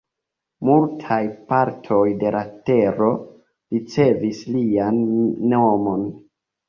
Multaj partoj de la tero ricevis lian nomon.